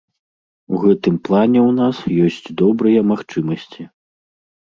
У гэтым плане ў нас ёсць добрыя магчымасці.